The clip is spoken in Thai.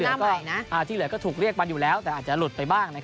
คือหน้าใหม่นะอ่าที่เหลือก็ถูกเรียกมาอยู่แล้วแต่อาจจะหลุดไปบ้าง